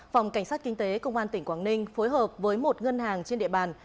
phòng cảnh sát kinh tế công an tỉnh quảng ninh phối hợp với một ngân hàng trên địa bàn